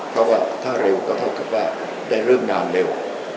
เพราะว่าถ้าเร็วก็เท่ากับว่าได้เริ่มงานเร็ว